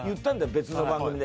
別の番組で。